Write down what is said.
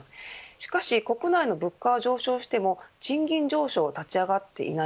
しかし国内の物価上昇はしても賃金上昇は立ち上がっていない。